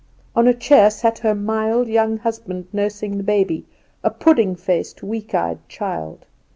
On a chair sat her mild young husband nursing the baby a pudding faced, weak eyed child.